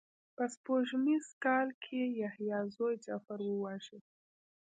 په سپوږمیز کال کې یې یحیی زوی جغفر وواژه.